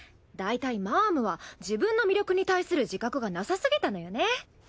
だいたいマァムは自分の魅力に対する自覚がなさすぎたのよね。